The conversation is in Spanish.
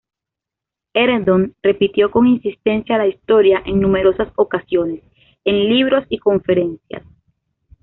Herndon repitió con insistencia la historia en numerosas ocasiones, en libros y conferencias.